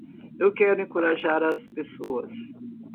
Eu quero encorajar as pessoas